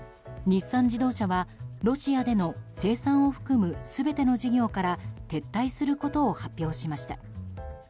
日産自動車は、ロシアでの生産を含む全ての事業から撤退することを発表しました。